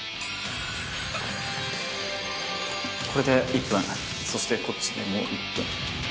これで１分そしてこっちでもう１分。